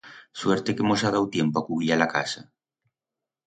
Suerte que mos ha dau tiempo a cubillar la casa.